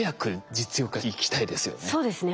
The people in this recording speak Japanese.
そうですね。